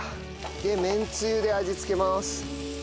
でめんつゆで味付けます。